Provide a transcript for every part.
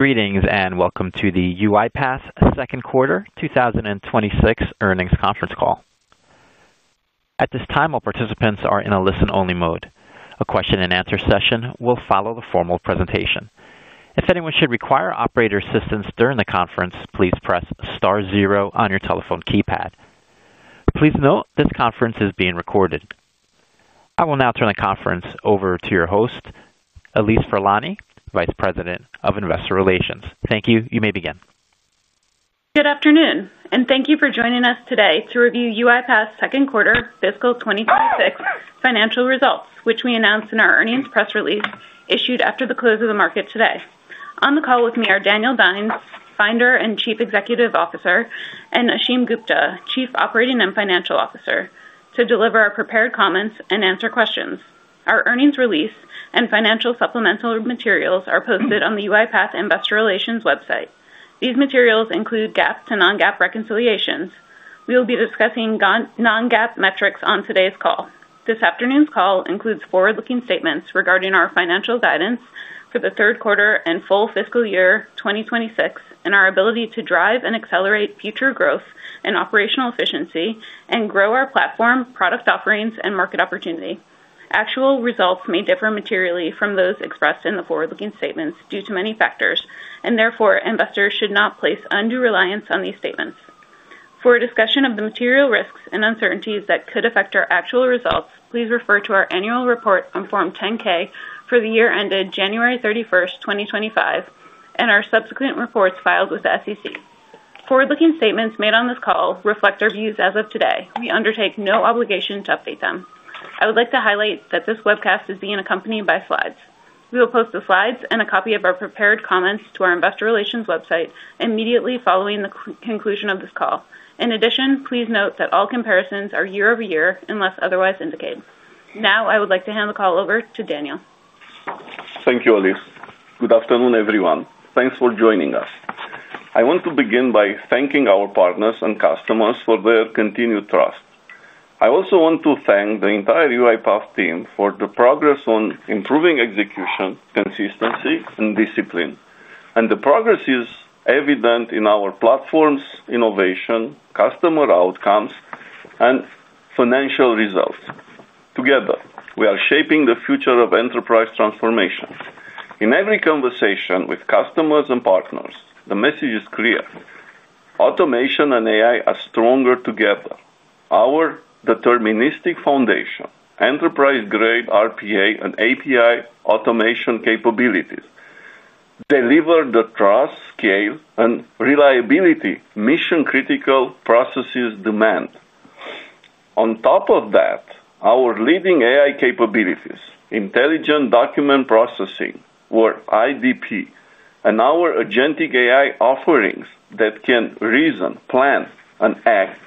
Greetings and welcome to the UiPath's Second quarter 2026 Earnings Conference Call. At this time, all participants are in a listen-only mode. A question and answer session will follow the formal presentation. If anyone should require operator assistance during the conference, please press star zero on your telephone keypad. Please note this conference is being recorded. I will now turn the conference over to your host, Allise Furlani, Vice President of Investor Relations. Thank you. You may begin. Good afternoon, and thank you for joining us today to review UiPath's Second Quarter Fiscal 2026 financial results, which we announced in our Earnings Press Release issued after the close of the market today. On the call with me are Daniel Dines, Founder and Chief Executive Officer, and Ashim Gupta, Chief Operating and Financial Officer, to deliver our prepared comments and answer questions. Our Earnings Release and financial supplemental materials are posted on the UiPath Investor Relations website. These materials include GAAP to non-GAAP reconciliations. We will be discussing non-GAAP metrics on today's call. This afternoon's call includes forward-looking statements regarding our financial guidance for the third quarter and full fiscal year 2026 and our ability to drive and accelerate future growth and operational efficiency and grow our platform, product offerings, and market opportunity. Actual results may differ materially from those expressed in the forward-looking statements due to many factors, and therefore investors should not place undue reliance on these statements. For a discussion of the material risks and uncertainties that could affect our actual results, please refer to our annual report on Form 10-K for the year ended January 31st, 2025, and our subsequent reports filed with the SEC. Forward-looking statements made on this call reflect our views as of today. We undertake no obligation to update them. I would like to highlight that this webcast is being accompanied by slides. We will post the slides and a copy of our prepared comments to our Investor Relations website immediately following the conclusion of this call. In addition, please note that all comparisons are year-over-year unless otherwise indicated. Now, I would like to hand the call over to Daniel. Thank you, Allise. Good afternoon, everyone. Thanks for joining us. I want to begin by thanking our partners and customers for their continued trust. I also want to thank the entire UiPath team for the progress on improving execution, consistency, and discipline. The progress is evident in our platforms, innovation, customer outcomes, and financial results. Together, we are shaping the future of enterprise transformation. In every conversation with customers and partners, the message is clear: automation and AI are stronger together. Our deterministic foundation, enterprise-grade RPA and API automation capabilities deliver the trust, scale, and reliability mission-critical processes demand. On top of that, our leading AI capabilities, intelligent Document Processing, or IDP, and our agentic AI offerings that can reason, plan, and act,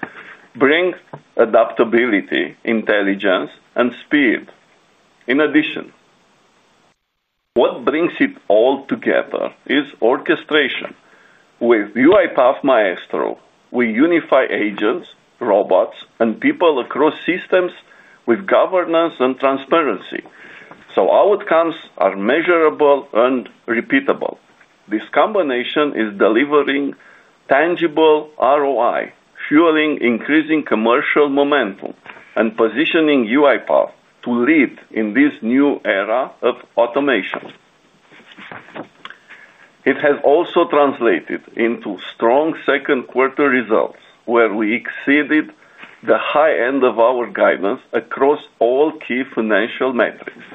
bring adaptability, intelligence, and speed. In addition, what brings it all together is orchestration. With UiPath Maestro, we unify agents, robots, and people across systems with governance and transparency, so outcomes are measurable and repeatable. This combination is delivering tangible ROI, fueling increasing commercial momentum, and positioning UiPath to lead in this new era of automation. It has also translated into strong second-quarter results, where we exceeded the high end of our guidance across all key financial metrics.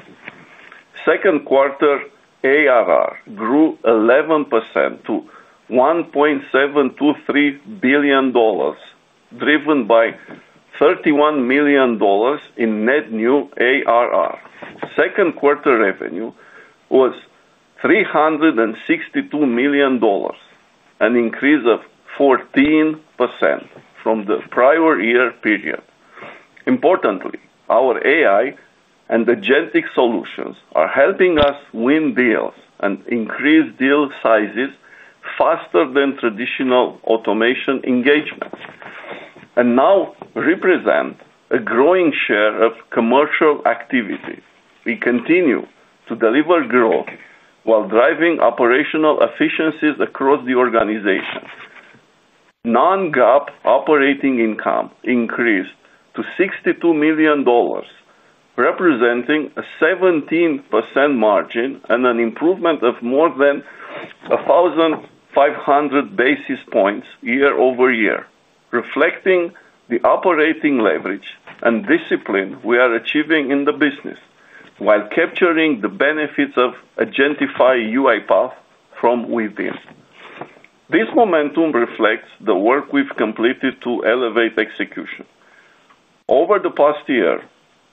Second quarter ARR grew 11% to $1.723 billion, driven by $31 million in net new ARR. Second quarter revenue was $362 million, an increase of 14% from the prior-year period. Importantly, our AI and agentic solutions are helping us win deals and increase deal sizes faster than traditional automation engagements and now represent a growing share of commercial activity. We continue to deliver growth while driving operational efficiencies across the organization. Non-GAAP operating income increased to $62 million, representing a 17% margin and an improvement of more than 1,500 basis points year-over-year, reflecting the operating leverage and discipline we are achieving in the business while capturing the benefits of agentifying UiPath from within. This momentum reflects the work we've completed to elevate execution. Over the past year,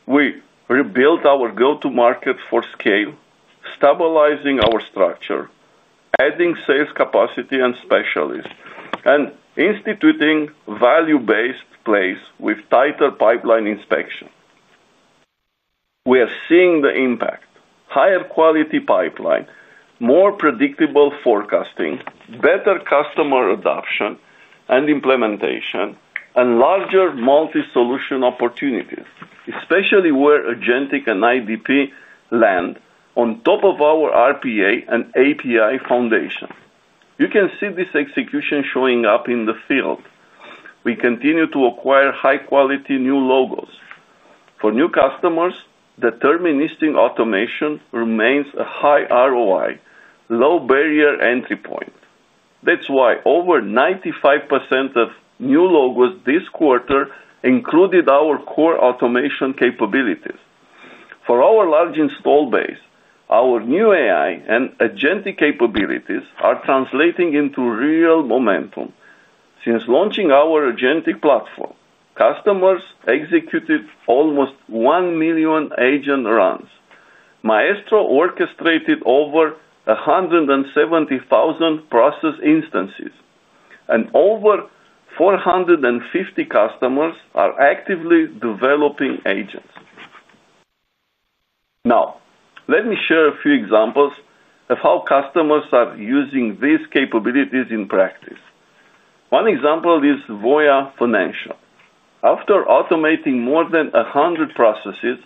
we rebuilt our go-to-market for scale, stabilizing our structure, adding sales capacity and specialists, and instituting value-based plays with tighter pipeline inspection. We are seeing the impact: higher-quality pipeline, more predictable forecasting, better customer adoption and implementation, and larger multi-solution opportunities, especially where agentic and IDP land on top of our RPA and API foundation. You can see this execution showing up in the field. We continue to acquire high-quality new logos. For new customers, deterministic automation remains a high ROI, low barrier entry point. That's why over 95% of new logos this quarter included our core automation capabilities. For our large install base, our new AI and agentic capabilities are translating into real momentum. Since launching our agentic platform, customers executed almost 1 million agent runs. Maestro orchestrated over 170,000 process instances, and over 450 customers are actively developing agents. Now, let me share a few examples of how customers are using these capabilities in practice. One example is Voya Financial. After automating more than 100 processes,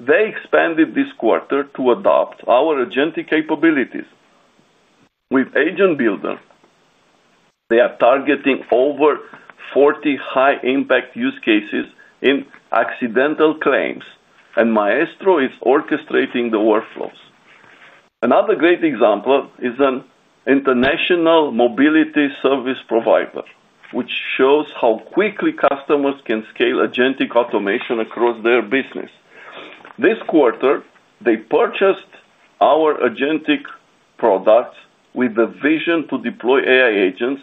they expanded this quarter to adopt our agentic capabilities. With Agent Builder, they are targeting over 40 high-impact use cases in accidental claims, and Maestro is orchestrating the workflows. Another great example is an international mobility service provider, which shows how quickly customers can scale agentic automation across their business. This quarter, they purchased our agentic products with the vision to deploy AI agents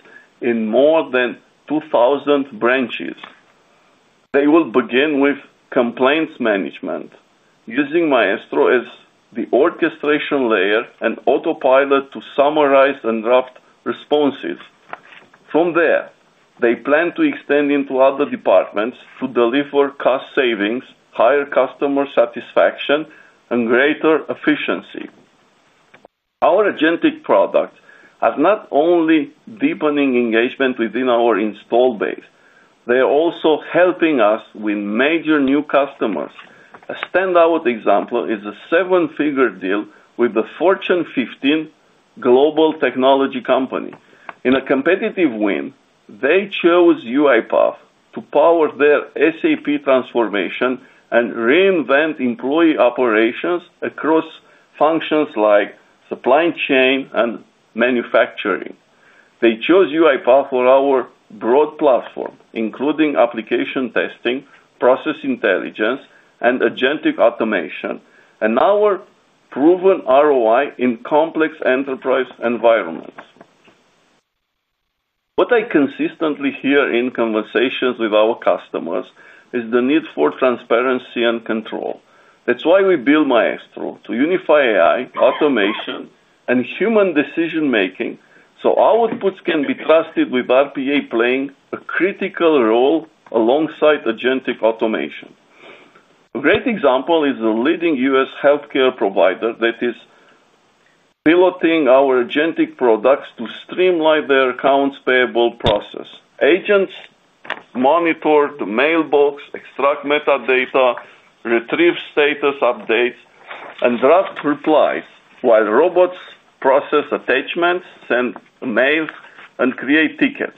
in more than 2,000 branches. They will begin with complaints management, using Maestro as the orchestration layer and Autopilot for Everyone to summarize and draft responses. From there, they plan to extend into other departments to deliver cost savings, higher customer satisfaction, and greater efficiency. Our agentic products are not only deepening engagement within our installed base, they are also helping us with major new customers. A standout example is a seven-figure deal with the Fortune 15 global technology company. In a competitive win, they chose UiPath to power their SAP transformation and reinvent employee operations across functions like Supply chain and Manufacturing. They chose UiPath for our broad platform, including application testing, process intelligence, and agentic automation, and our proven ROI in complex enterprise environments. What I consistently hear in conversations with our customers is the need for transparency and control. That's why we built Maestro to unify AI, automation, and human decision-making so outputs can be trusted, with RPA playing a critical role alongside agentic automation. A great example is a leading U.S. healthcare provider that is pivoting our agentic products to streamline their accounts payable process. Agents monitor the mailbox, extract metadata, retrieve status updates, and draft replies while robots process attachments, send mails, and create tickets.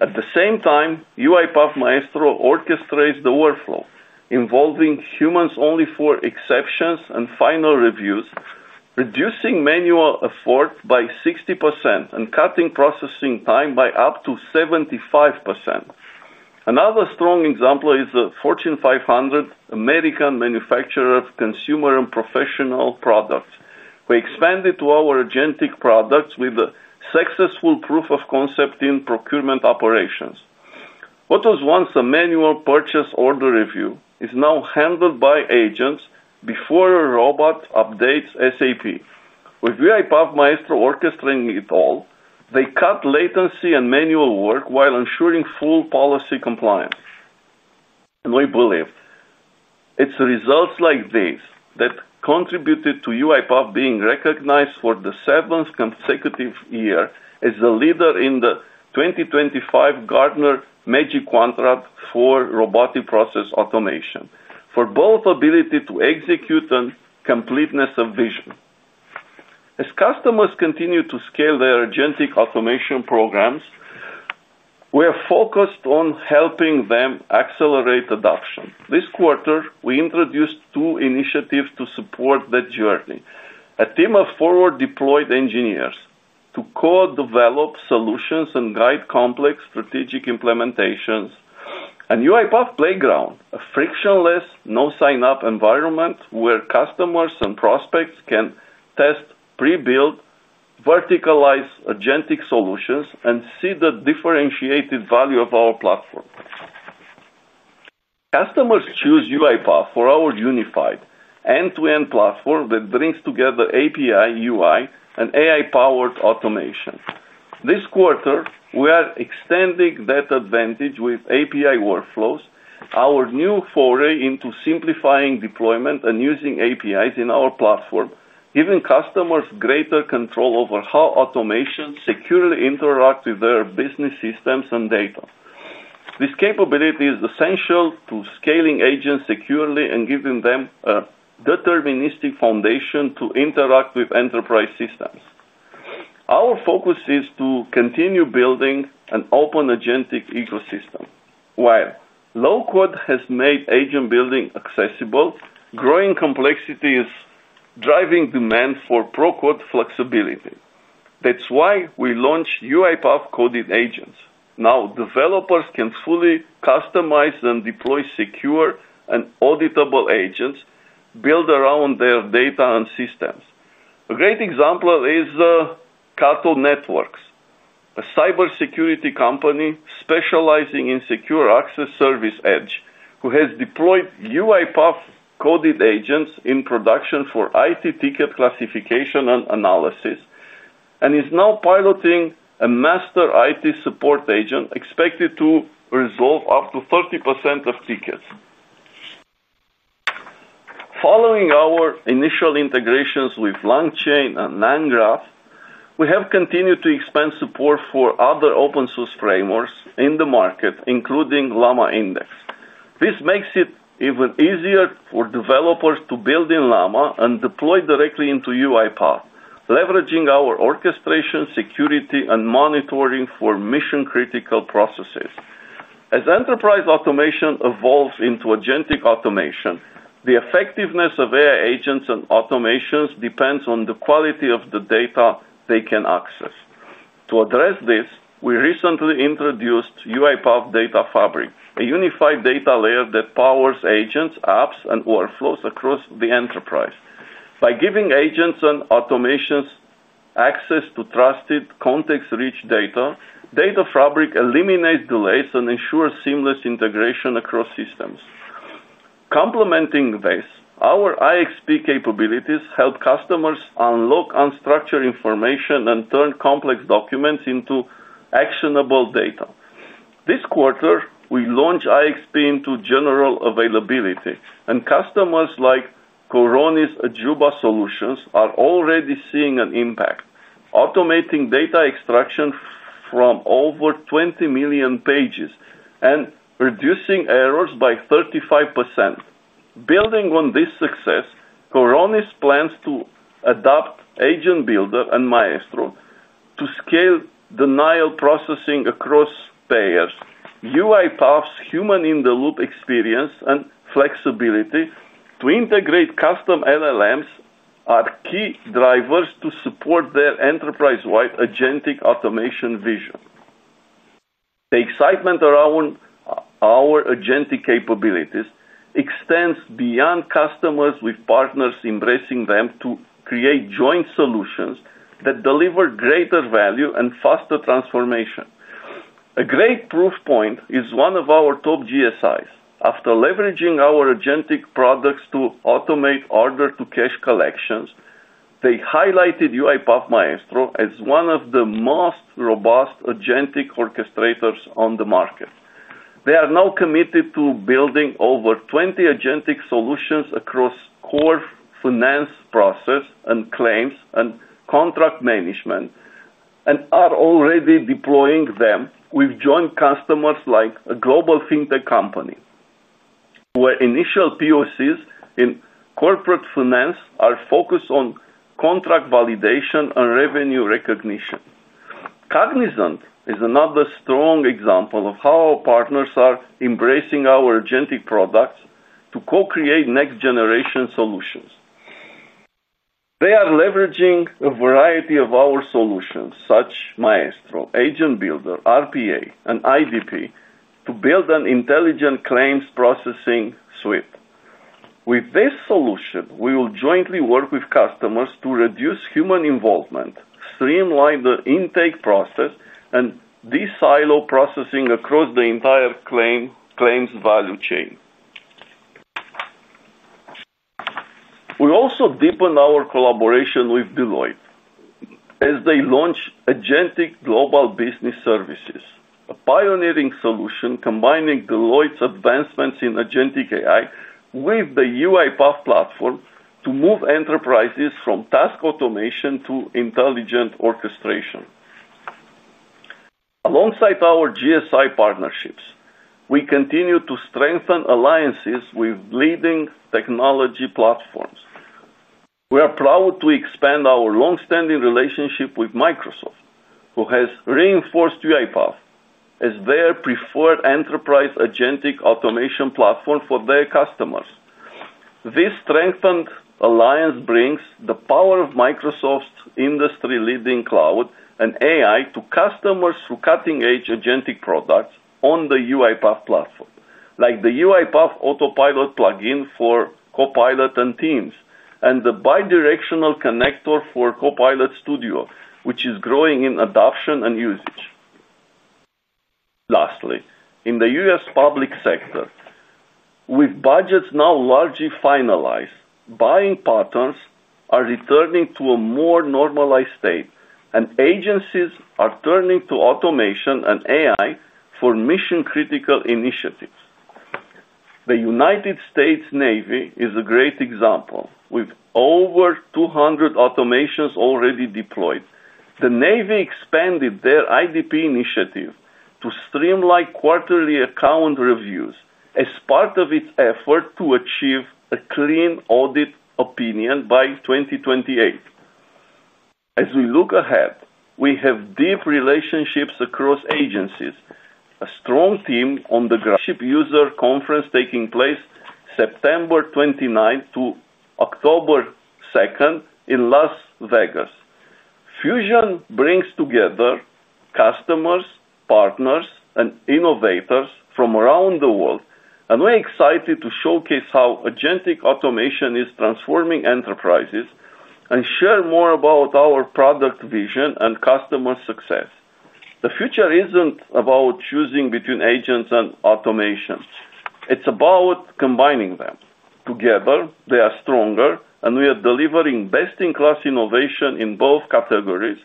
At the same time, UiPath Maestro orchestrates the workflow, involving humans only for exceptions and final reviews, reducing manual effort by 60% and cutting processing time by up to 75%. Another strong example is a Fortune 500 American manufacturer of consumer and professional products who expanded to our agentic products with a successful proof-of-concept in procurement operations. What was once a manual purchase order review is now handled by agents before a robot updates SAP. With UiPath Maestro orchestrating it all, they cut latency and manual work while ensuring full policy compliance. We believe it's results like these that contributed to UiPath being recognized for the seventh consecutive year as the leader in the 2025 Gartner Magic Quadrant for Robotic Process Automation for both ability to execute and completeness of vision. As customers continue to scale their agentic automation programs, we are focused on helping them accelerate adoption. This quarter, we introduced two initiatives to support that journey: a team of forward-deployed engineers to co-develop solutions and guide complex strategic implementations, and UiPath Playground, a frictionless no-sign-up environment where customers and prospects can test, pre-build, verticalized agentic solutions, and see the differentiated value of our platform. Customers choose UiPath for our unified end-to-end platform that brings together API, UI, and AI-powered automation. This quarter, we are extending that advantage with API workflows, our new foray into simplifying deployment and using APIs in our platform, giving customers greater control over how automation securely interacts with their business systems and data. This capability is essential to scaling agents securely and giving them a deterministic foundation to interact with enterprise systems. Our focus is to continue building an open agentic ecosystem, while low-code has made agent building accessible. Growing complexity is driving demand for pro-code flexibility. That's why we launched UiPath coded agents. Now developers can fully customize and deploy secure and auditable agents built around their data and systems. A great example is CATO Networks, a cybersecurity company specializing in secure access service edge, who has deployed UiPath Coded Agents in production for IT ticket classification and analysis and is now piloting a master IT support agent expected to resolve up to 30% of tickets. Following our initial integrations with LangChain and LangGraph, we have continued to expand support for other open-source frameworks in the market, including LlamaIndex. This makes it even easier for developers to build in Llama and deploy directly into UiPath, leveraging our orchestration, security, and monitoring for mission-critical processes. As enterprise automation evolves into agentic automation, the effectiveness of AI agents and automations depends on the quality of the data they can access. To address this, we recently introduced UiPath Data Fabric, a unified data layer that powers agents, apps, and workflows across the enterprise. By giving agents and automations access to trusted, context-rich data, Data Fabric eliminates delays and ensures seamless integration across systems. Complementing this, our IXP capabilities help customers unlock unstructured information and turn complex documents into actionable data. This quarter, we launched IXP into general availability, and customers like Coronis Ajuba Solutions are already seeing an impact, automating data extraction from over 20 million pages and reducing errors by 35%. Building on this success, Coronis plans to adopt Agent Builder and Maestro to scale denial processing across payers. UiPath's Human-in-the-Loop experience and flexibility to integrate custom LLMs are key drivers to support their enterprise-wide agentic automation vision. The excitement around our agentic capabilities extends beyond customers with partners embracing them to create joint solutions that deliver greater value and faster transformation. A great proof point is one of our top GSIs. After leveraging our agentic products to automate order-to-cash collections, they highlighted UiPath Maestro as one of the most robust agentic orchestrators on the market. They are now committed to building over 20 agentic solutions across core finance process and claims and contract management and are already deploying them with joint customers like a global fintech company. Where initial POCs in corporate finance are focused on contract validation and revenue recognition, Cognizant is another strong example of how our partners are embracing our agentic products to co-create next-generation solutions. They are leveraging a variety of our solutions, such as Maestro, Agent Builder, RPA, and IDP, to build an intelligent claims processing suite. With this solution, we will jointly work with customers to reduce human involvement, streamline the intake process, and de-silo processing across the entire claims value chain. We also deepened our collaboration with Deloitte as they launched Agentic Global Business Services, a pioneering solution combining Deloitte's advancements in agentic AI with the UiPath platform to move enterprises from task automation to intelligent orchestration. Alongside our GSI partnerships, we continue to strengthen alliances with leading technology platforms. We are proud to expand our longstanding relationship with Microsoft, who has reinforced UiPath as their preferred enterprise agentic automation platform for their customers. This strengthened alliance brings the power of Microsoft's industry-leading cloud and AI to customers through cutting-edge agentic products on the UiPath platform, like the UiPath Autopilot plugin for Copilot and Teams and the bidirectional connector for Copilot Studio, which is growing in adoption and usage. Lastly, in the U.S. public sector, with budgets now largely finalized, buying patterns are returning to a more normalized state, and agencies are turning to automation and AI for mission-critical initiatives. The United States Navy is a great example, with over 200 automations already deployed. The Navy expanded their IDP initiative to streamline quarterly account reviews as part of its effort to achieve a clean audit opinion by 2028. As we look ahead, we have deep relationships across agencies, a strong team on the ground, and a flagship user conference taking place September 29th-October 2nd in Las Vegas. FUSION brings together customers, partners, and innovators from around the world, and we're excited to showcase how agentic automation is transforming enterprises and share more about our product vision and customer success. The future isn't about choosing between agents and automation. It's about combining them. Together, they are stronger, and we are delivering best-in-class innovation in both categories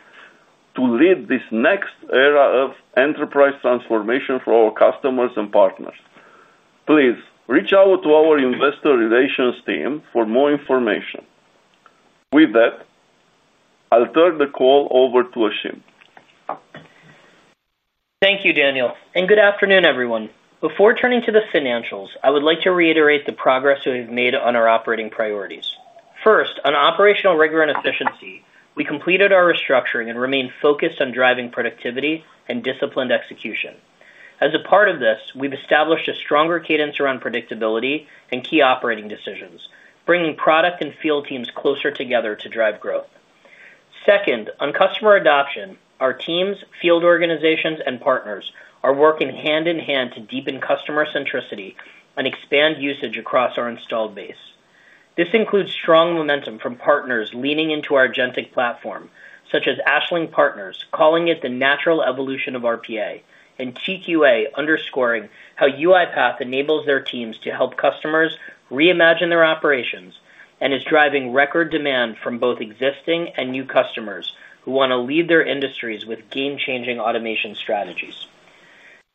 to lead this next era of enterprise transformation for our customers and partners. Please reach out to our Investor Relations team for more information. With that, I'll turn the call over to Ashim. Thank you, Daniel, and good afternoon, everyone. Before turning to the financials, I would like to reiterate the progress we've made on our operating priorities. First, on operational rigor and efficiency, we completed our restructuring and remain focused on driving productivity and disciplined execution. As a part of this, we've established a stronger cadence around predictability and key operating decisions, bringing product and field teams closer together to drive growth. Second, on customer adoption, our teams, field organizations, and partners are working hand-in-hand to deepen customer centricity and expand usage across our install base. This includes strong momentum from partners leaning into our agentic platform, such as Ashling Partners calling it the natural evolution of RPA and TQA underscoring how UiPath enables their teams to help customers reimagine their operations and is driving record demand from both existing and new customers who want to lead their industries with game-changing automation strategies.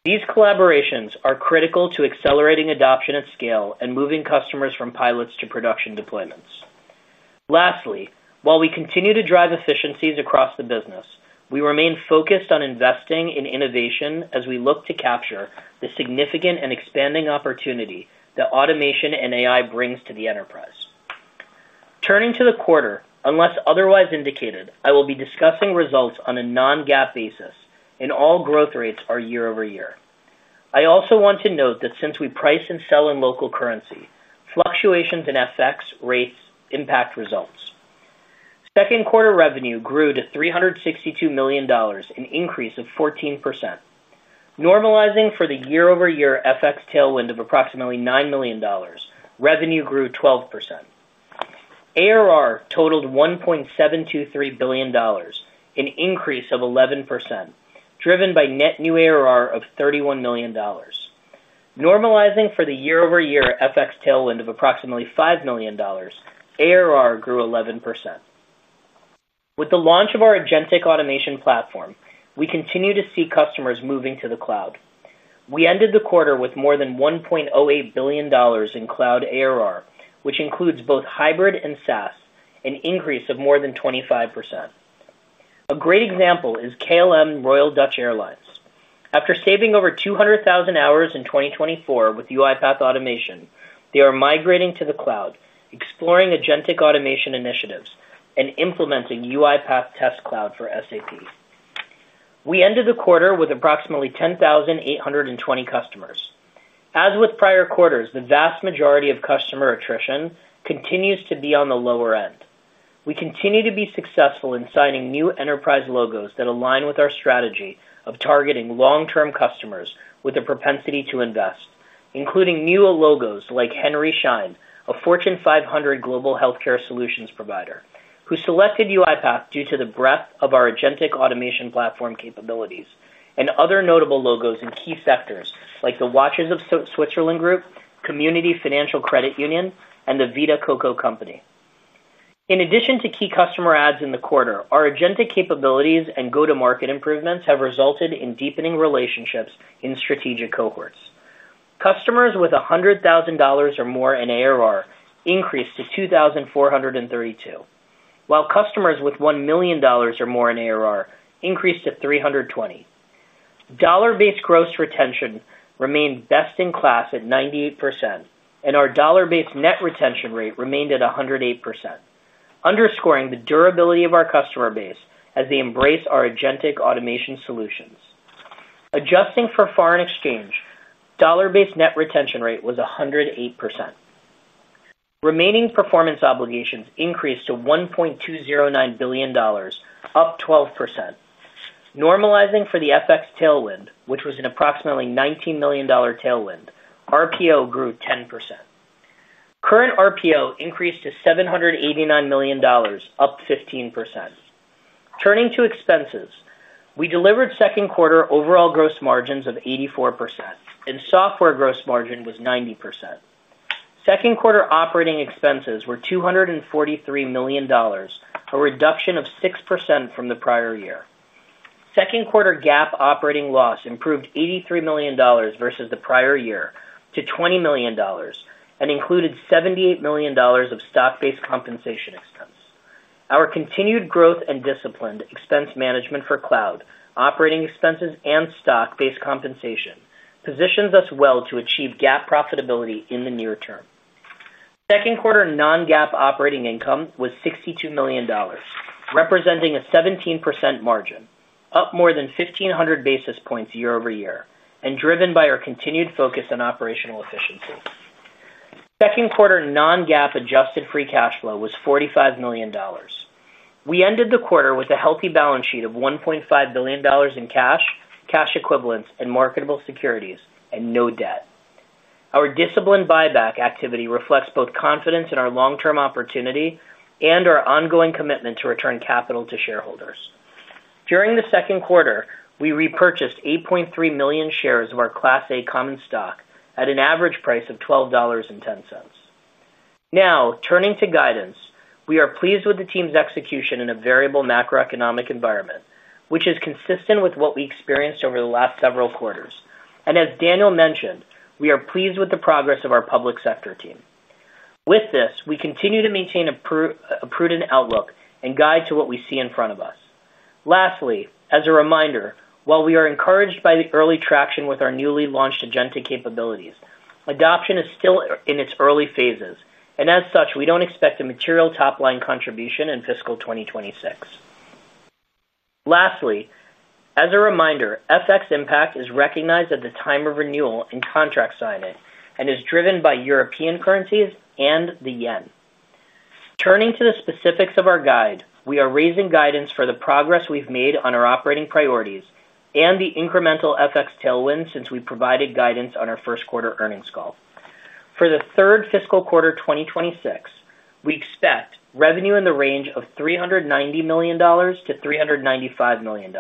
These collaborations are critical to accelerating adoption at scale and moving customers from pilots to production deployments. Lastly, while we continue to drive efficiencies across the business, we remain focused on investing in innovation as we look to capture the significant and expanding opportunity that automation and AI bring to the enterprise. Turning to the quarter, unless otherwise indicated, I will be discussing results on a non-GAAP basis and all growth rates are year-over-year. I also want to note that since we price and sell in local currency, fluctuations in FX rates impact results. Second quarter revenue grew to $362 million, an increase of 14%. Normalizing for the year-over-year FX tailwind of approximately $9 million, revenue grew 12%. ARR totaled $1.723 billion, an increase of 11%, driven by net new ARR of $31 million. Normalizing for the year-over-year FX tailwind of approximately $5 million, ARR grew 11%. With the launch of our agentic automation platform, we continue to see customers moving to the cloud. We ended the quarter with more than $1.08 billion in Cloud ARR, which includes both hybrid and SaaS, an increase of more than 25%. A great example is KLM Royal Dutch Airlines. After saving over 200,000 hours in 2024 with UiPath Automation, they are migrating to the Cloud, exploring agentic automation initiatives, and implementing UiPath Test Cloud for SAP. We ended the quarter with approximately 10,820 customers. As with prior quarters, the vast majority of customer attrition continues to be on the lower end. We continue to be successful in signing new enterprise logos that align with our strategy of targeting long-term customers with a propensity to invest, including new logos like Henry Schein, a Fortune 500 global healthcare solutions provider, who selected UiPath due to the breadth of our agentic automation platform capabilities and other notable logos in key sectors like the Watches of Switzerland Group, Community Financial Credit Union, and the Vita Coco Company. In addition to key customer adds in the quarter, our agentic capabilities and go-to-market improvements have resulted in deepening relationships in strategic cohorts. Customers with $100,000 or more in ARR increased to 2,432, while customers with $1 million or more in ARR increased to 320. Dollar-based gross retention remained best-in-class at 98%, and our dollar-based net retention rate remained at 108%, underscoring the durability of our customer base as they embrace our agentic automation solutions. Adjusting for foreign exchange, dollar-based net retention rate was 108%. Remaining performance obligations increased to $1.209 billion, up 12%. Normalizing for the FX tailwind, which was an approximately $19 million tailwind, RPO grew 10%. Current RPO increased to $789 million, up 15%. Turning to expenses, we delivered second quarter overall gross margins of 84%, and software gross margin was 90%. Second quarter operating expenses were $243 million, a reduction of 6% from the prior year. Second quarter GAAP operating loss improved $83 million versus the prior year to $20 million and included $78 million of stock-based compensation expense. Our continued growth and disciplined expense management for Cloud, operating expenses, and stock-based compensation positions us well to achieve GAAP profitability in the near term. Second quarter non-GAAP operating income was $62 million, representing a 17% margin, up more than 1,500 basis points year-over-year, and driven by our continued focus on operational efficiency. Second quarter non-GAAP adjusted free cash flow was $45 million. We ended the quarter with a healthy balance sheet of $1.5 billion in cash, cash equivalents, and marketable securities, and no debt. Our disciplined buyback activity reflects both confidence in our long-term opportunity and our ongoing commitment to return capital to shareholders. During the second quarter, we repurchased 8.3 million shares of our Class A common stock at an average price of $12.10. Now, turning to guidance, we are pleased with the team's execution in a variable macroeconomic environment, which is consistent with what we experienced over the last several quarters. As Daniel mentioned, we are pleased with the progress of our public sector team. With this, we continue to maintain a prudent outlook and guide to what we see in front of us. Lastly, as a reminder, while we are encouraged by the early traction with our newly launched agentic capabilities, adoption is still in its early phases, and as such, we don't expect a material top-line contribution in fiscal 2026. Lastly, as a reminder, FX impact is recognized at the time of renewal and contract signing and is driven by European currencies and the Yen. Turning to the specifics of our guide, we are raising guidance for the progress we've made on our operating priorities and the incremental FX tailwind since we provided guidance on our First Quarter Earnings call. For the third fiscal quarter 2026, we expect revenue in the range of $390 million-$395 million.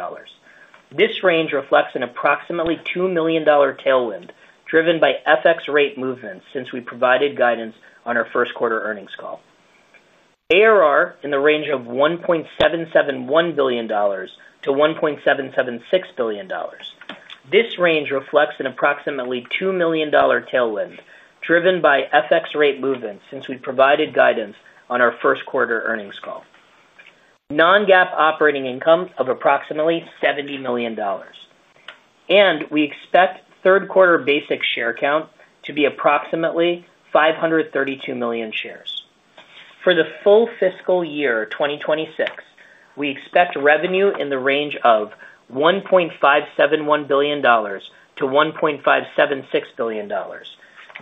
This range reflects an approximately $2-million tailwind driven by FX rate movements since we provided guidance on our First Quarter Earnings Call. ARR in the range of $1.771 billion-$1.776 billion. This range reflects an approximately $2-million tailwind driven by FX rate movements since we provided guidance on our First Quarter Earnings Call. Non-GAAP operating income of approximately $70 million, and we expect third quarter basic share count to be approximately 532 million shares. For the full fiscal year 2026, we expect revenue in the range of $1.571 billion-$1.576 billion.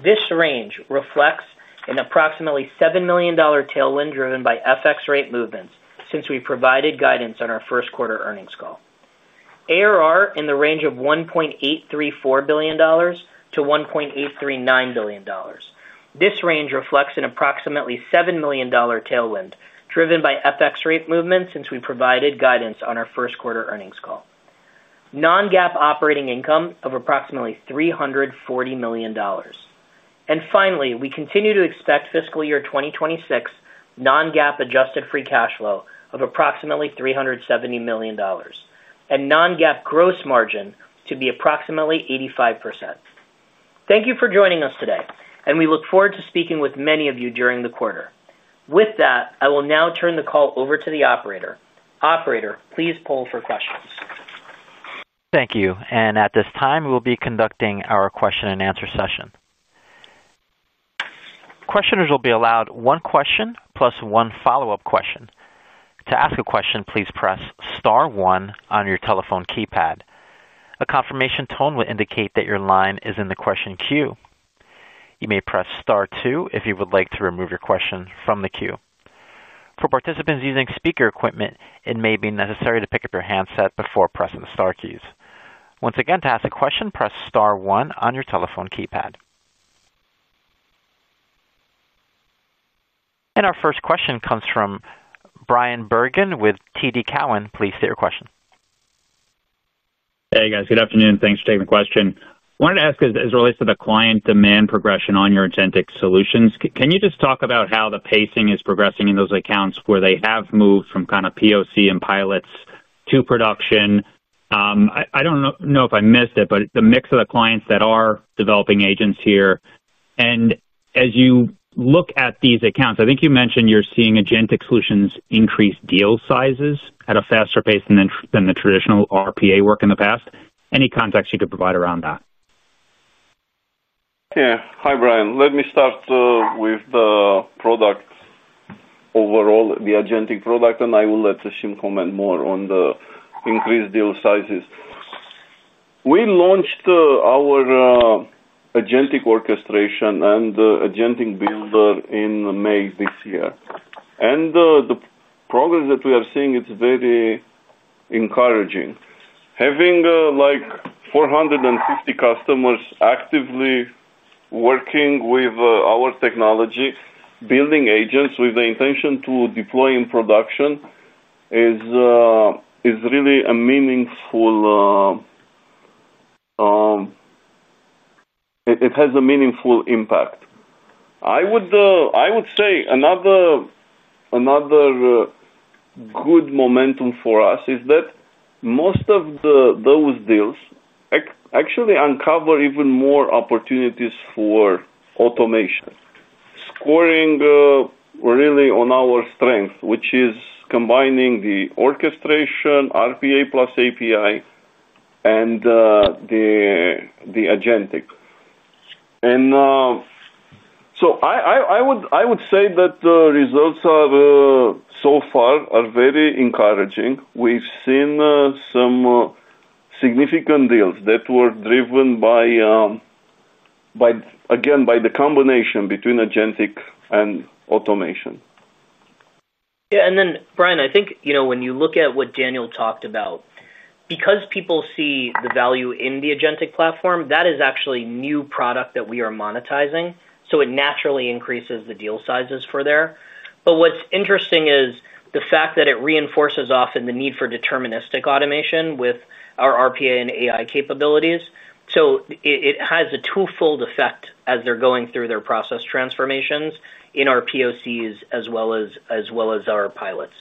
This range reflects an approximately $7-million tailwind driven by FX rate movements since we provided guidance on our First Quarter Earnings Call. ARR in the range of $1.834 billion-$1.839 billion. This range reflects an approximately $7-million tailwind driven by FX rate movements since we provided guidance on our First Quarter Earnings Call. Non-GAAP operating income of approximately $340 million. Finally, we continue to expect fiscal year 2026 non-GAAP adjusted free cash flow of approximately $370 million and non-GAAP gross margin to be approximately 85%. Thank you for joining us today, and we look forward to speaking with many of you during the quarter. With that, I will now turn the call over to the operator. Operator, please poll for questions. Thank you. At this time, we will be conducting our question and answer session. Questioners will be allowed one question plus one follow-up question. To ask a question, please press star one on your telephone keypad. A confirmation tone will indicate that your line is in the question queue. You may press star two if you would like to remove your question from the queue. For participants using speaker equipment, it may be necessary to pick up your handset before pressing the star keys. Once again, to ask a question, press star one on your telephone keypad. Our first question comes from Bryan Bergin with TD Cowen. Please state your question. Hey, guys. Good afternoon. Thanks for taking the question. I wanted to ask, as it relates to the client demand progression on your agentic solutions, can you just talk about how the pacing is progressing in those accounts where they have moved from kind of POC and pilots to production? I don't know if I missed it, but the mix of the clients that are developing agents here. As you look at these accounts, I think you mentioned you're seeing agentic solutions increase deal sizes at a faster pace than the traditional RPA work in the past. Any context you could provide around that? Yeah. Hi, Bryan. Let me start with the product overall, the agentic product, and I will let Ashim comment more on the increased deal sizes. We launched our agentic orchestration and the Agent Builder in May this year. The progress that we are seeing is very encouraging. Having like 450 customers actively working with our technology, building agents with the intention to deploy in production, is really meaningful. It has a meaningful impact. I would say another good momentum for us is that most of those deals actually uncover even more opportunities for automation, scoring really on our strength, which is combining the orchestration, RPA plus API, and the agentic. I would say that the results so far are very encouraging. We've seen some significant deals that were driven by, again, by the combination between agentic and automation. Yeah. Bryan, I think, you know, when you look at what Daniel talked about, because people see the value in the agentic platform, that is actually a new product that we are monetizing. It naturally increases the deal sizes for there. What's interesting is the fact that it reinforces often the need for deterministic automation with our RPA and AI capabilities. It has a twofold effect as they're going through their process transformations in our POCs as well as our pilots.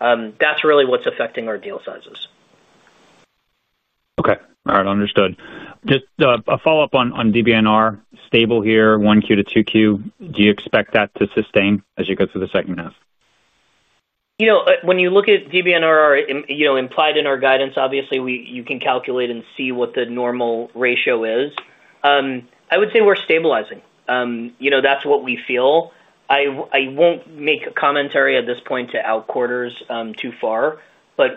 That's really what's affecting our deal sizes. OK. All right. Understood. Just a follow-up on DBNR, stable here, 1Q to 2Q. Do you expect that to sustain as you go through the second half? When you look at DBNRR implied in our guidance, obviously, you can calculate and see what the normal ratio is. I would say we're stabilizing. That's what we feel. I won't make a commentary at this point to outquarters too far.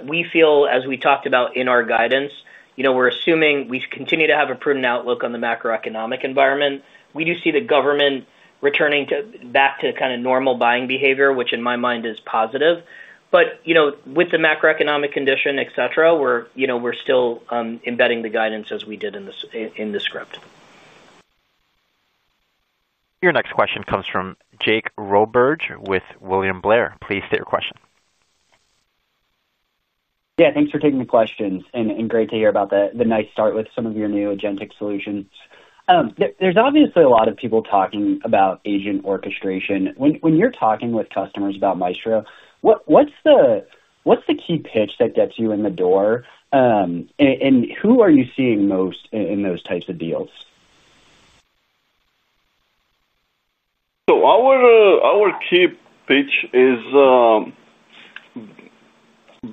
We feel, as we talked about in our guidance, we're assuming we continue to have a prudent outlook on the macroeconomic environment. We do see the government returning back to kind of normal buying behavior, which in my mind is positive. With the macroeconomic condition, et cetera, we're still embedding the guidance as we did in the script. Your next question comes from Jake Roberge with William Blair. Please state your question. Thanks for taking the questions, and great to hear about the nice start with some of your new agentic solutions. There's obviously a lot of people talking about agent orchestration. When you're talking with customers about Maestro, what's the key pitch that gets you in the door? Who are you seeing most in those types of deals? Our key pitch is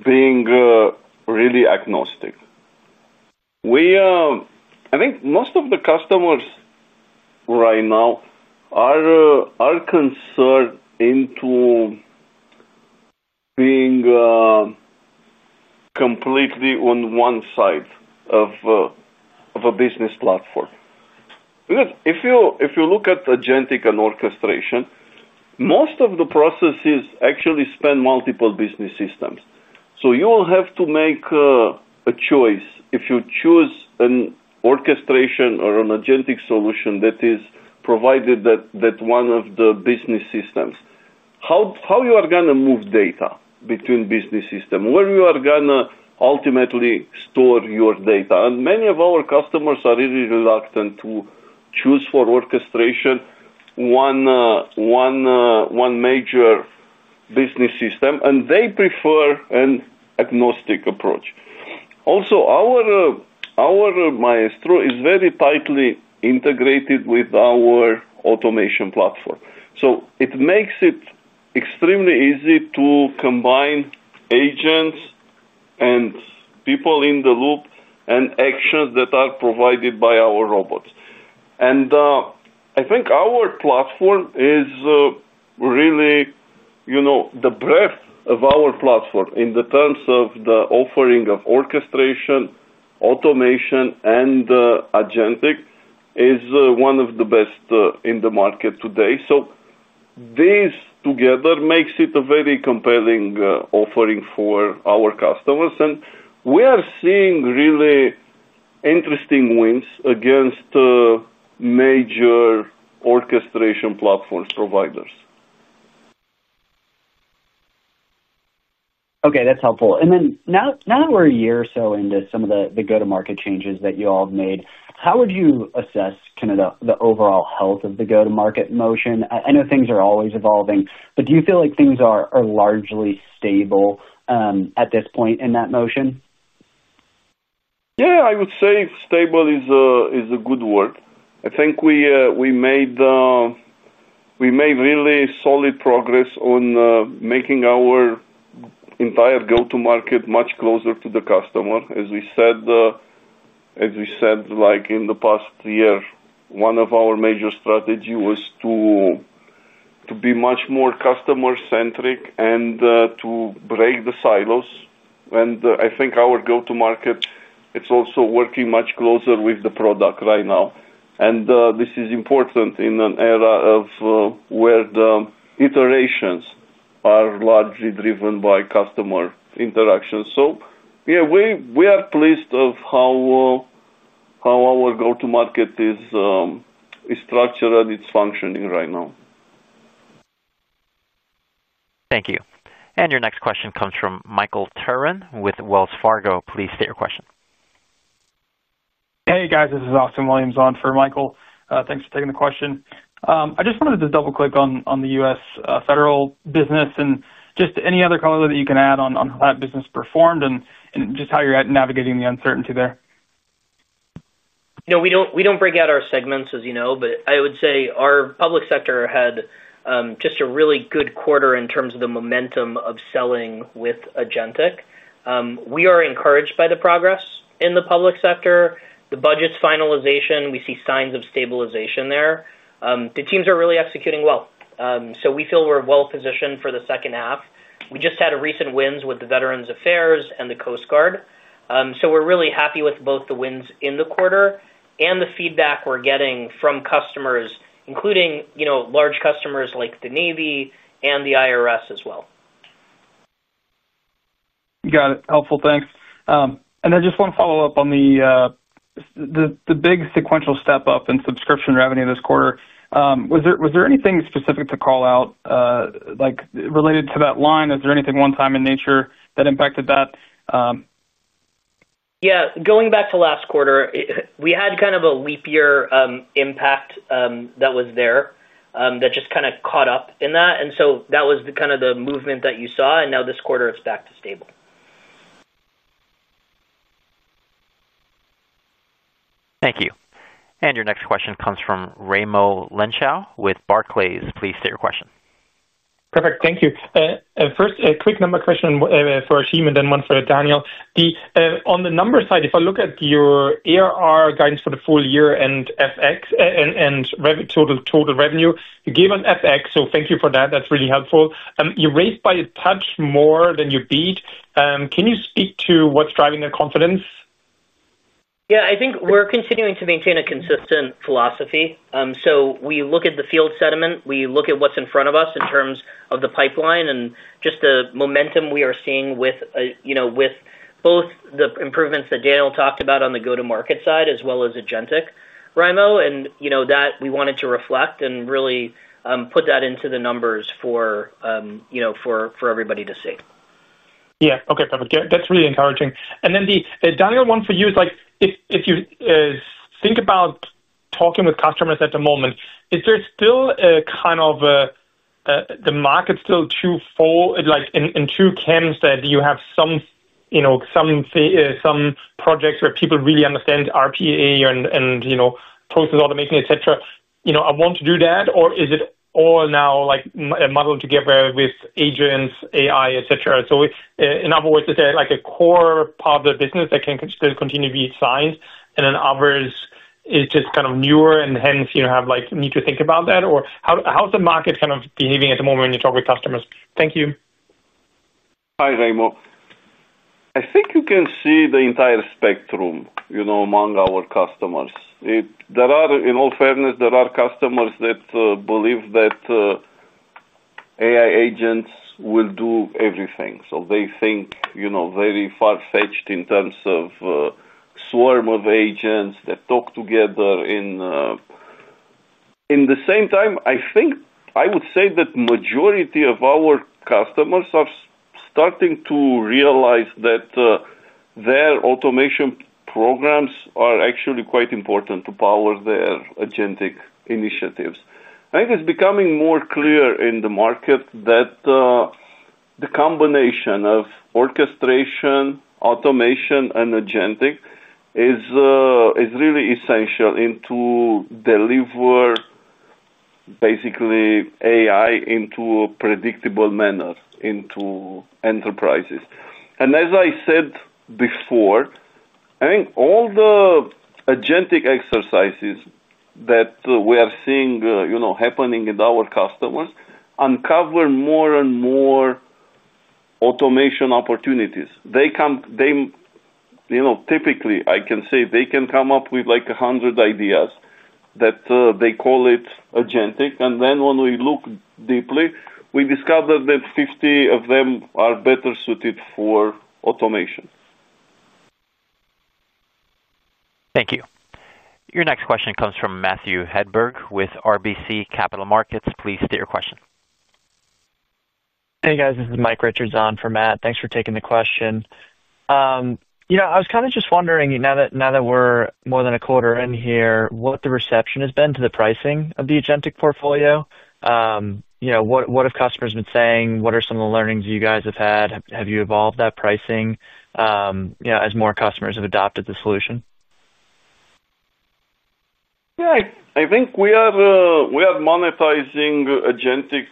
being really agnostic. I think most of the customers right now are concerned about being completely on one side of a business platform. If you look at agentic automation and orchestration, most of the processes actually span multiple business systems. You will have to make a choice if you choose an orchestration or an agentic solution that is provided by one of the business systems. How you are going to move data between business systems, where you are going to ultimately store your data. Many of our customers are really reluctant to choose for orchestration one major business system, and they prefer an agnostic approach. Also, our Maestro is very tightly integrated with our automation platform. It makes it extremely easy to combine agents and people in the loop and actions that are provided by our robots. I think our platform is really, you know, the breadth of our platform in terms of the offering of orchestration, automation, and agentic is one of the best in the market today. This together makes it a very compelling offering for our customers. We are seeing really interesting wins against major orchestration platform providers. OK. That's helpful. Now that we're a year or so into some of the go-to-market changes that you all have made, how would you assess kind of the overall health of the go-to-market motion? I know things are always evolving, but do you feel like things are largely stable at this point in that motion? Yeah, I would say stable is a good word. I think we made really solid progress on making our entire go-to-market much closer to the customer. As we said, like in the past year, one of our major strategies was to be much more customer-centric and to break the silos. I think our go-to-market is also working much closer with the product right now. This is important in an era where the iterations are largely driven by customer interactions. Yeah, we are pleased with how our go-to-market is structured and it's functioning right now. Thank you. Your next question comes from Michael Turrin with Wells Fargo. Please state your question. Hey, guys. This is Austin Williams on for Michael. Thanks for taking the question. I just wanted to double-click on the U.S. federal business and just any other color that you can add on how that business performed and just how you're at navigating the uncertainty there. No, we don't break out our segments, as you know, but I would say our public sector had just a really good quarter in terms of the momentum of selling with agentic. We are encouraged by the progress in the public sector. The budget's finalization, we see signs of stabilization there. The teams are really executing well. We feel we're well positioned for the second half. We just had recent wins with the Veterans Affairs and the Coast Guard. We're really happy with both the wins in the quarter and the feedback we're getting from customers, including large customers like the United States Navy and the IRS as well. Got it. Helpful. Thanks. I just want to follow up on the big sequential step-up in subscription revenue this quarter. Was there anything specific to call out related to that line? Is there anything one-time in nature that impacted that? Yeah. Going back to last quarter, we had kind of a leap-year impact that was there that just caught up in that. That was kind of the movement that you saw. Now this quarter, it's back to stable. Thank you. Your next question comes from Raimo Lenschow with Barclays. Please state your question. Perfect. Thank you. First, a quick number question for Ashim and then one for Daniel. On the number side, if I look at your ARR guidance for the full year and FX and total revenue, you gave us FX, so thank you for that. That's really helpful. You raised by a touch more than you beat. Can you speak to what's driving your confidence? Yeah. I think we're continuing to maintain a consistent philosophy. We look at the field sentiment, we look at what's in front of us in terms of the pipeline, and just the momentum we are seeing with both the improvements that Daniel talked about on the go-to-market side as well as agentic, Raimo, and that we wanted to reflect and really put that into the numbers for everybody to see. Yeah. OK. That's really encouraging. The Daniel one for you is like, if you think about talking with customers at the moment, is there still a kind of the market still too full, like in two camps that you have some projects where people really understand RPA and process automation, et cetera? You know, I want to do that, or is it all now like muddled together with agents, AI, et cetera? In other words, is there like a core part of the business that can still continue to be signed, and then others is just kind of newer and hence you need to think about that? How is the market kind of behaving at the moment when you talk with customers? Thank you. Hi, Raimo. I think you can see the entire spectrum among our customers. In all fairness, there are customers that believe that AI agents will do everything. They think very far-fetched in terms of a swarm of agents that talk together. At the same time, I would say that the majority of our customers are starting to realize that their automation programs are actually quite important to power their agentic initiatives. I think it's becoming more clear in the market that the combination of orchestration, automation, and agentic is really essential to deliver basically AI in a predictable manner into enterprises. As I said before, all the agentic exercises that we are seeing happening in our customers uncover more and more automation opportunities. Typically, I can say they can come up with like 100 ideas that they call it agentic. When we look deeply, we discover that 50 of them are better suited for automation. Thank you. Your next question comes from Matthew Hedberg with RBC Capital Markets. Please state your question. Hey, guys. This is Mike Richards on for Matt. Thanks for taking the question. I was kind of just wondering, now that we're more than a quarter in here, what the reception has been to the pricing of the agentic portfolio. What have customers been saying? What are some of the learnings you guys have had? Have you evolved that pricing as more customers have adopted the solution? Yeah. I think we are monetizing agentic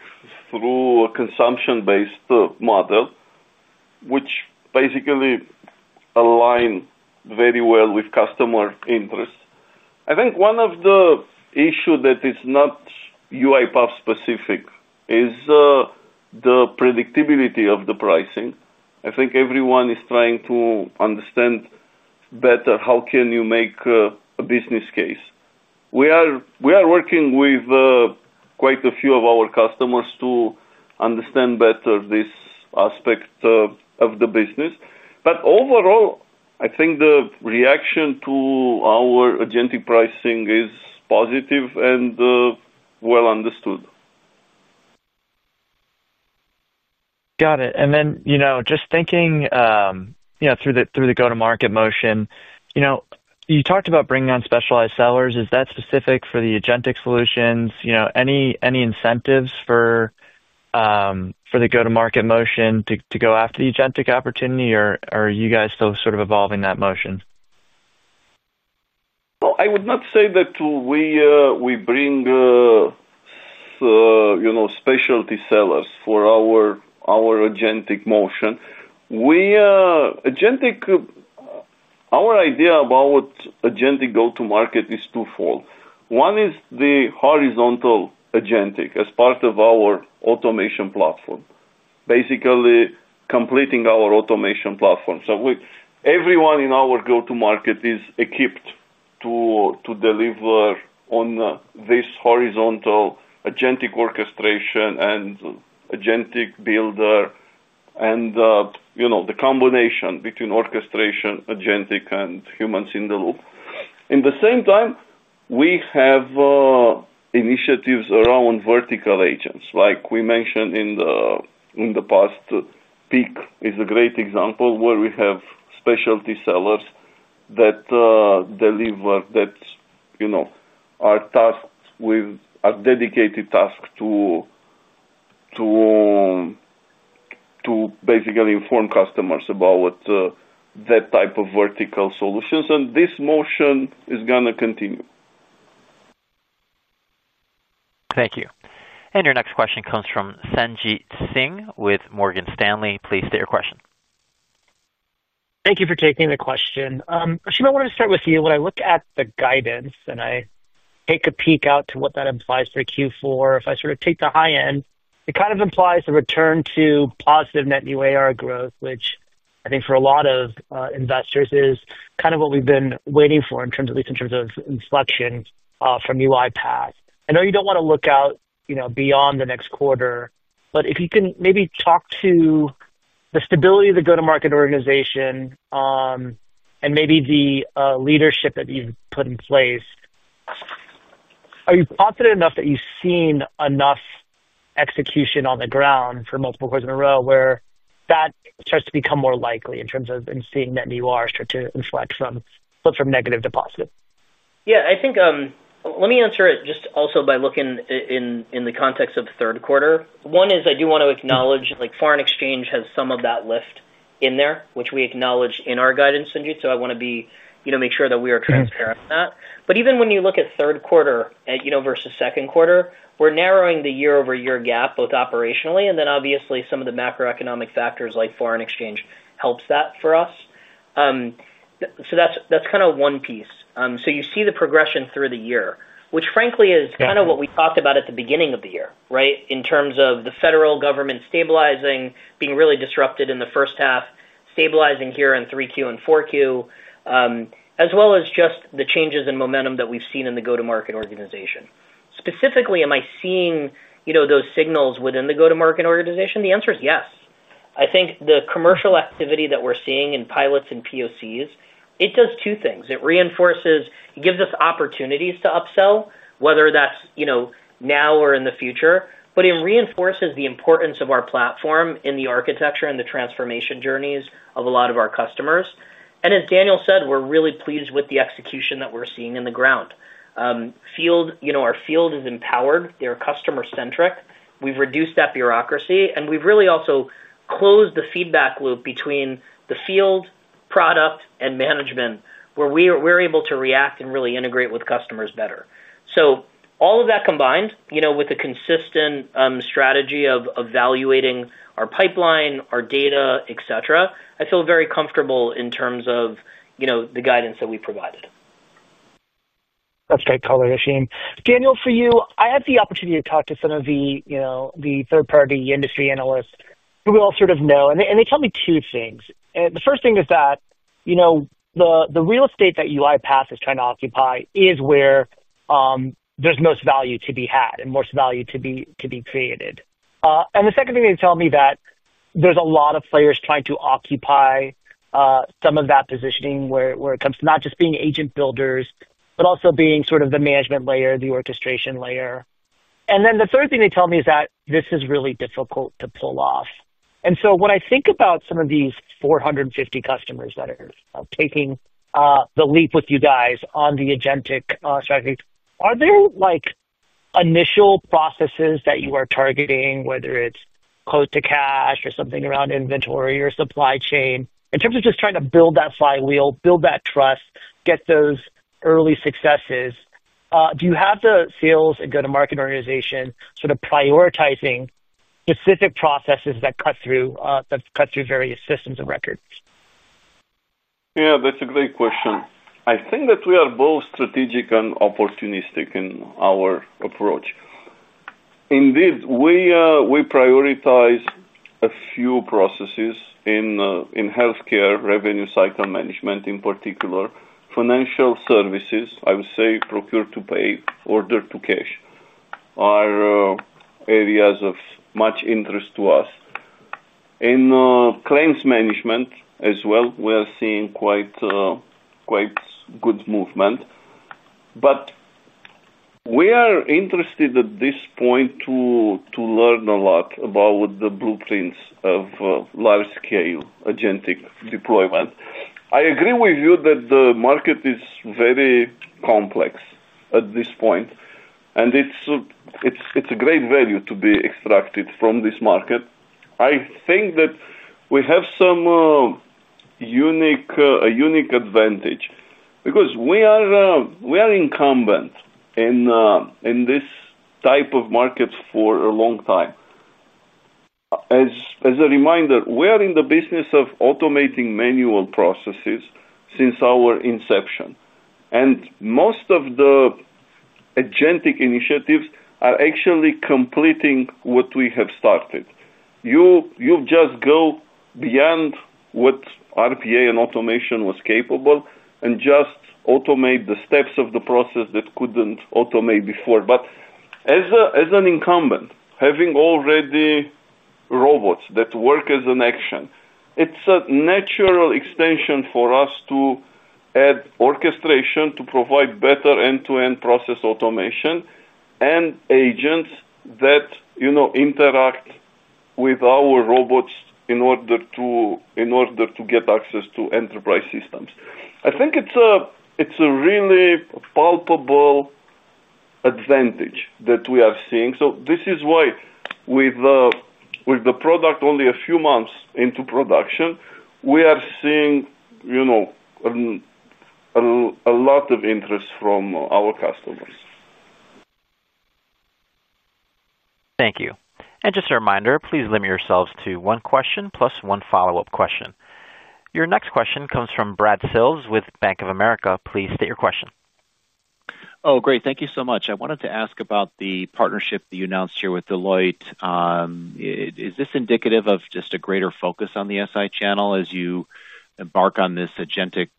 through a consumption-based model, which basically aligns very well with customer interests. I think one of the issues that is not UiPath-specific is the predictability of the pricing. I think everyone is trying to understand better how can you make a business case. We are working with quite a few of our customers to understand better this aspect of the business. Overall, I think the reaction to our agentic pricing is positive and well understood. Got it. Just thinking through the go-to-market motion, you talked about bringing on specialized sellers. Is that specific for the agentic solutions? Any incentives for the go-to-market motion to go after the agentic opportunity, or are you guys still sort of evolving that motion? I would not say that we bring specialty sellers for our agentic motion. Our idea about agentic go-to-market is twofold. One is the horizontal agentic as part of our automation platform, basically completing our automation platform. Everyone in our go-to-market is equipped to deliver on this horizontal agentic orchestration and agentic builder and the combination between orchestration, agentic, and humans in the loop. At the same time, we have initiatives around vertical agents. Like we mentioned in the past, Peak is a great example where we have specialty sellers that deliver, that are dedicated tasks to basically inform customers about that type of vertical solutions. This motion is going to continue. Thank you. Your next question comes from Sanjit Singh with Morgan Stanley. Please state your question. Thank you for taking the question. Ashim, I wanted to start with you. When I look at the guidance and I take a peek out to what that implies for Q4, if I sort of take the high end, it kind of implies a return to positive net new ARR growth, which I think for a lot of investors is kind of what we've been waiting for, at least in terms of inflection from UiPath. I know you don't want to look out beyond the next quarter, but if you can maybe talk to the stability of the go-to-market organization and maybe the leadership that you've put in place, are you confident enough that you've seen enough execution on the ground for multiple quarters in a row where that starts to become more likely in terms of seeing net new ARR start to inflect from negative to positive? Yeah. I think let me answer it just also by looking in the context of third quarter. One is I do want to acknowledge foreign exchange has some of that lift in there, which we acknowledge in our guidance, Sanjit. I want to make sure that we are transparent on that. Even when you look at third quarter versus second quarter, we're narrowing the year-over-year gap both operationally and then obviously some of the macroeconomic factors like foreign exchange help that for us. That's kind of one piece. You see the progression through the year, which frankly is kind of what we talked about at the beginning of the year, right, in terms of the federal government stabilizing, being really disrupted in the first half, stabilizing here in 3Q and 4Q, as well as just the changes in momentum that we've seen in the go-to-market organization. Specifically, am I seeing those signals within the go-to-market organization? The answer is yes. I think the commercial activity that we're seeing in pilots and POCs, it does two things. It reinforces, it gives us opportunities to upsell, whether that's now or in the future, but it reinforces the importance of our platform in the architecture and the transformation journeys of a lot of our customers. As Daniel said, we're really pleased with the execution that we're seeing in the ground. Our field is empowered. They're customer-centric. We've reduced that bureaucracy. We've really also closed the feedback loop between the field, product, and management where we're able to react and really integrate with customers better. All of that combined with a consistent strategy of evaluating our pipeline, our data, et cetera, I feel very comfortable in terms of the guidance that we provided. That's a great call there, Ashim. Daniel, for you, I had the opportunity to talk to some of the third-party industry analysts who we all sort of know. They tell me two things. The first thing is that, you know, the real estate that UiPath is trying to occupy is where there's most value to be had and most value to be created. The second thing they tell me is that there's a lot of players trying to occupy some of that positioning where it comes to not just being agent builders, but also being sort of the management layer, the orchestration layer. The third thing they tell me is that this is really difficult to pull off. When I think about some of these 450 customers that are taking the leap with you guys on the agentic strategies, are there initial processes that you are targeting, whether it's quote-to-cash or something around inventory or supply chain, in terms of just trying to build that flywheel, build that trust, get those early successes? Do you have the sales and go-to-market organization sort of prioritizing specific processes that cut through various systems of record? Yeah. That's a great question. I think that we are both strategic and opportunistic in our approach. Indeed, we prioritize a few processes in healthcare, revenue cycle management in particular. Financial services, I would say, procure-to-pay, order-to-cash are areas of much interest to us. In claims management as well, we are seeing quite good movement. We are interested at this point to learn a lot about the blueprints of large-scale agentic deployment. I agree with you that the market is very complex at this point, and it's a great value to be extracted from this market. I think that we have a unique advantage because we are incumbent in this type of market for a long time. As a reminder, we are in the business of automating manual processes since our inception. Most of the agentic initiatives are actually completing what we have started. You just go beyond what RPA and automation was capable and just automate the steps of the process that couldn't automate before. As an incumbent, having already robots that work as an action, it's a natural extension for us to add orchestration to provide better end-to-end process automation and agents that interact with our robots in order to get access to enterprise systems. I think it's a really palpable advantage that we are seeing. This is why, with the product only a few months into production, we are seeing a lot of interest from our customers. Thank you. Just a reminder, please limit yourselves to one question plus one follow-up question. Your next question comes from Brad Sills with Bank of America. Please state your question. Oh, great. Thank you so much. I wanted to ask about the partnership that you announced here with Deloitte. Is this indicative of just a greater focus on the SI channel as you embark on this agentic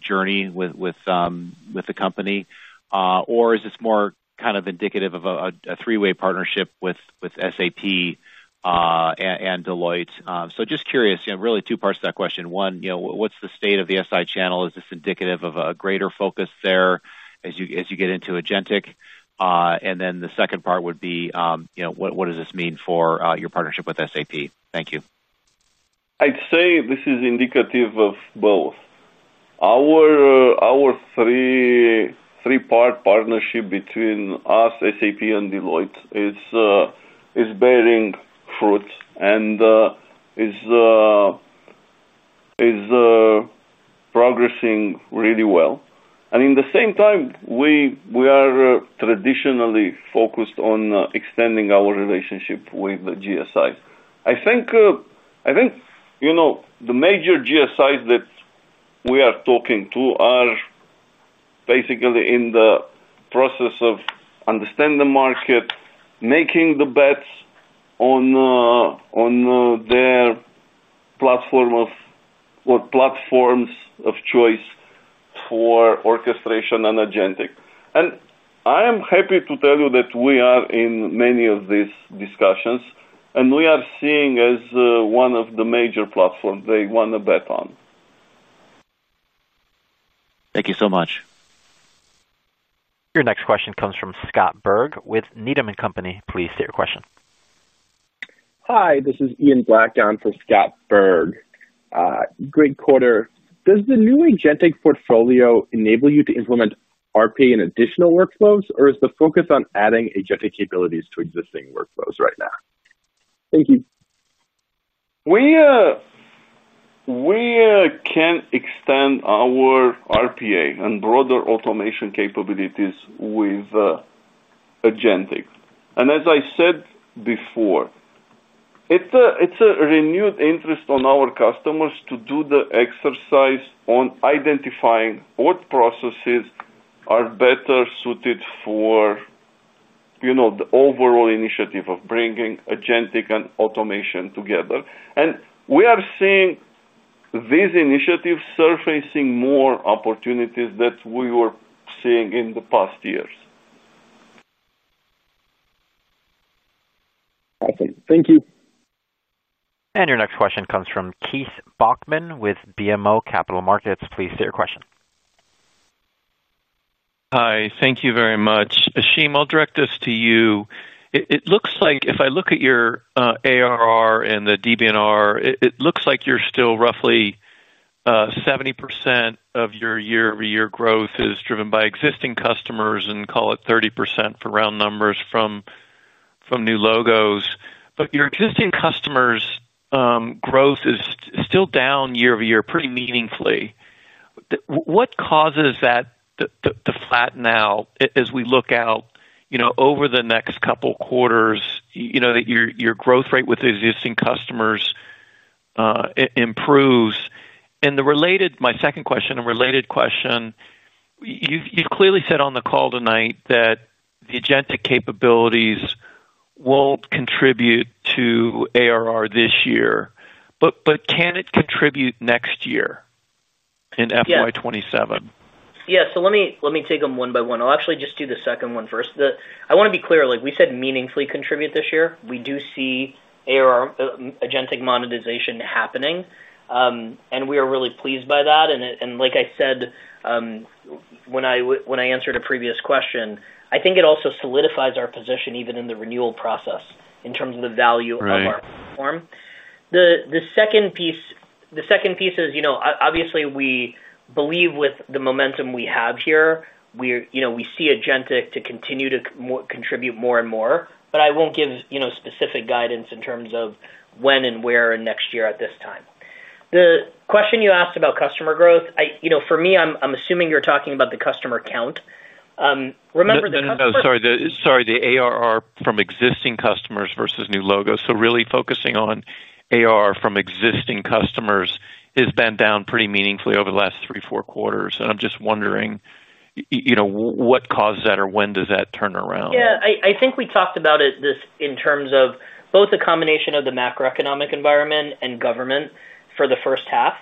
journey with the company? Is this more kind of indicative of a three-way partnership with SAP and Deloitte? Just curious, really two parts to that question. One, what's the state of the SI channel? Is this indicative of a greater focus there as you get into agentic? The second part would be, what does this mean for your partnership with SAP? Thank you. I'd say this is indicative of both. Our three-part partnership between us, SAP, and Deloitte is bearing fruit and is progressing really well. At the same time, we are traditionally focused on extending our relationship with the GSI. I think the major GSIs that we are talking to are basically in the process of understanding the market, making the bets on their platform of choice for orchestration and agentic automation. I am happy to tell you that we are in many of these discussions, and we are seen as one of the major platforms they want to bet on. Thank you so much. Your next question comes from Scott Berg with Needham & Company. Please state your question. Hi. This is Ian Black on for Scott Berg. Great quarter, does the new agentic portfolio enable you to implement RPA in additional workflows, or is the focus on adding agentic capabilities to existing workflows right now? Thank you. We can extend our RPA and broader automation capabilities with agentic. As I said before, it's a renewed interest on our customers to do the exercise on identifying what processes are better suited for the overall initiative of bringing agentic and automation together. We are seeing these initiatives surfacing more opportunities that we were seeing in the past years. Awesome. Thank you. Your next question comes from Keith Bachman with BMO Capital Markets. Please state your question. Hi. Thank you very much. Ashim, I'll direct this to you. It looks like if I look at your ARR and the DBNRR, it looks like you're still roughly 70% of your year-over-year growth is driven by existing customers and call it 30% for round numbers from new logos. Your existing customers' growth is still down year-over-year pretty meaningfully. What causes that to flatten out as we look out over the next couple of quarters, you know that your growth rate with existing customers improves? My second question, a related question, you've clearly said on the call tonight that the agentic capabilities won't contribute to ARR this year, but can it contribute next year in FY 2027? Yeah. Let me take them one by one. I'll actually just do the second one first. I want to be clear. We said meaningfully contribute this year. We do see agentic monetization happening, and we are really pleased by that. Like I said when I answered a previous question, I think it also solidifies our position even in the renewal process in terms of the value of our platform. The second piece is, you know, obviously, we believe with the momentum we have here, we see agentic to continue to contribute more and more. I won't give specific guidance in terms of when and where in next year at this time. The question you asked about customer growth, for me, I'm assuming you're talking about the customer count. Remember the customer. Sorry. The ARR from existing customers versus new logos. Really focusing on ARR from existing customers has been down pretty meaningfully over the last three, four quarters. I'm just wondering, you know, what caused that or when does that turn around? Yeah. I think we talked about it in terms of both the combination of the macroeconomic environment and government for the first half.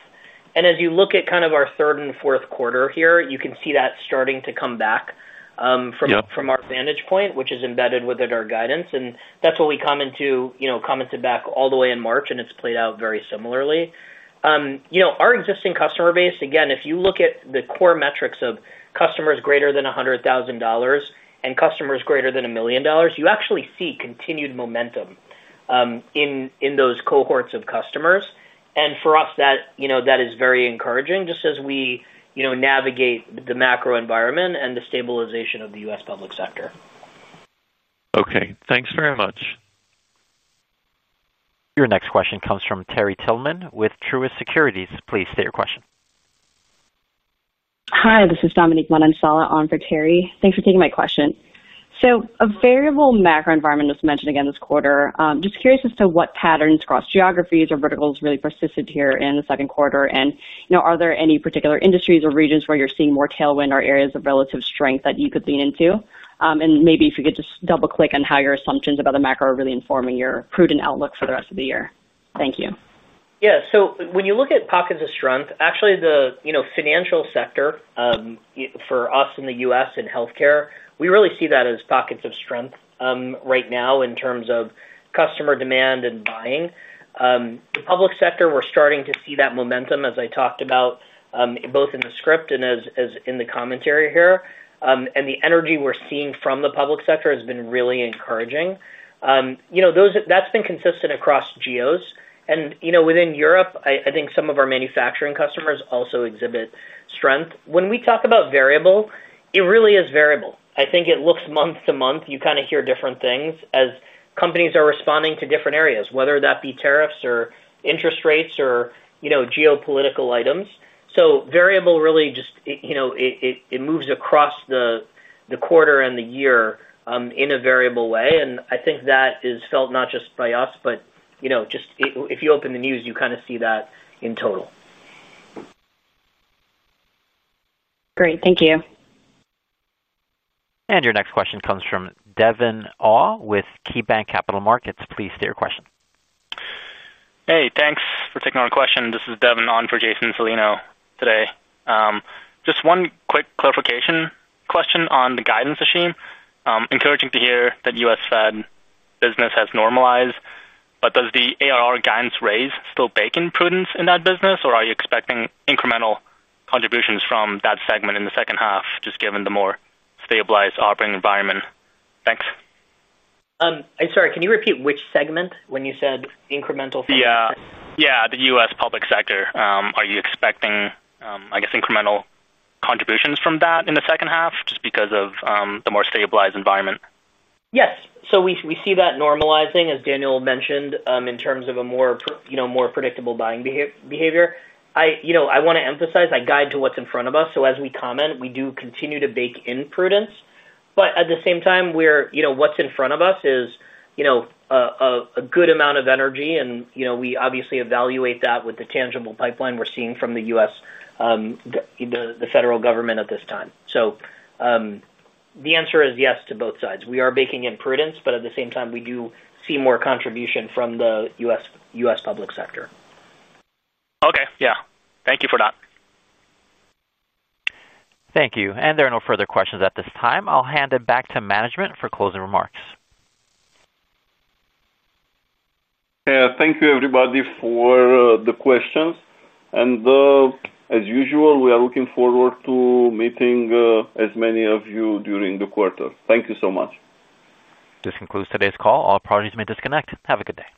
As you look at kind of our third and fourth quarter here, you can see that starting to come back from our vantage point, which is embedded within our guidance. That's what we commented back all the way in March, and it's played out very similarly. Our existing customer base, again, if you look at the core metrics of customers greater than $100,000 and customers greater than $1 million, you actually see continued momentum in those cohorts of customers. For us, that is very encouraging just as we navigate the macroenvironment and the stabilization of the U.S. public sector. OK, thanks very much. Your next question comes from Terry Tillman with Truist Securities. Please state your question. Hi. This is Dominique Manansala on for Terry. Thanks for taking my question. A variable macroenvironment was mentioned again this quarter. Just curious as to what patterns across geographies or verticals really persisted here in the second quarter. Are there any particular industries or regions where you're seeing more tailwind or areas of relative strength that you could lean into? Maybe if you could just double-click on how your assumptions about the macro are really informing your prudent outlook for the rest of the year. Thank you. Yeah. When you look at pockets of strength, actually, the financial sector for us in the U.S. and Healthcare, we really see that as pockets of strength right now in terms of customer demand and buying. The public sector, we're starting to see that momentum, as I talked about both in the script and in the commentary here. The energy we're seeing from the public sector has been really encouraging. That's been consistent across geos. Within Europe, I think some of our manufacturing customers also exhibit strength. When we talk about variable, it really is variable. I think it looks month-to-month. You kind of hear different things as companies are responding to different areas, whether that be tariffs or interest rates or geopolitical items. Variable really just moves across the quarter and the year in a variable way. I think that is felt not just by us, but just if you open the news, you kind of see that in total. Great, thank you. Your next question comes from Devin Au with KeyBanc Capital Markets. Please state your question. Hey. Thanks for taking our question. This is Devin on for Jason Salino today. Just one quick clarification question on the guidance, Ashim. Encouraging to hear that U.S. Fed business has normalized, but does the ARR guidance raise still bake in prudence in that business, or are you expecting incremental contributions from that segment in the second half, just given the more stabilized operating environment? Thanks. Sorry, can you repeat which segment when you said incremental? Yeah. The U.S. public sector, are you expecting, I guess, incremental contributions from that in the second half just because of the more stabilized environment? Yes. We see that normalizing, as Daniel mentioned, in terms of a more predictable buying behavior. I want to emphasize that guide to what's in front of us. As we comment, we do continue to bake in prudence. At the same time, what's in front of us is a good amount of energy, and we obviously evaluate that with the tangible pipeline we're seeing from the U.S., the federal government at this time. The answer is yes to both sides. We are baking in prudence, but at the same time, we do see more contribution from the U.S. public sector. OK. Thank you for that. Thank you. There are no further questions at this time. I'll hand it back to management for closing remarks. Thank you, everybody, for the questions. We are looking forward to meeting as many of you during the quarter. Thank you so much. This concludes today's call. All parties may disconnect. Have a good day.